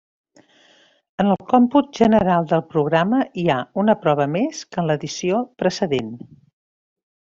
En el còmput general del programa hi ha una prova més que en l'edició precedent.